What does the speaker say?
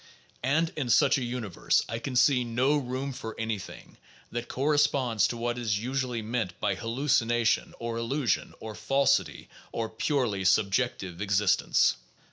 And in such a universe I can see no room for anything that corresponds to what is usually meant by hallucination or illusion or falsity or "purely subjective existence."